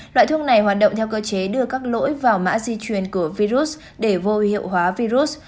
loại thuốc này hoạt động theo cơ chế đưa các lỗi vào mã di truyền của virus để vô hiệu hóa virus